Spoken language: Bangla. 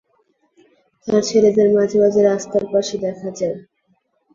তার ছেলেদের মাঝে মাঝে রাস্তার পাশে দেখা যায়।